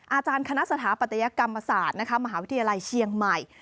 อาจารย์คณะสถาปัตยกรรมศาสตร์มหาวิทยาลัยเชียงใหม่